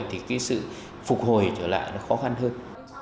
thì cái sự phục hồi trở lại nó khó khăn hơn